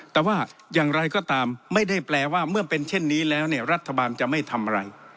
แต่ว่าอย่างไรก็ตามไม่ได้แปลว่าเมื่อเป็นเช่นนี้แล้วเนี่ยรัฐบาลจะไม่ทำอะไร